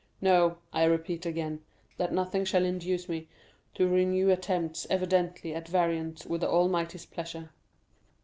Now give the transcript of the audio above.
No, I repeat again, that nothing shall induce me to renew attempts evidently at variance with the Almighty's pleasure."